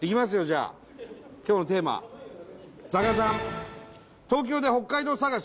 じゃあ今日のテーマザガザン！